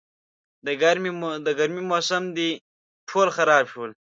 د ګرمي موسم دی، ټول خراب شول.